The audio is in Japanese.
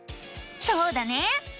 そうだね！